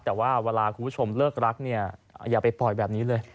แต่ว่าเวลาคุณผู้ชมเลิกรักเนี่ยอย่าไปปล่อยแบบนี้เลย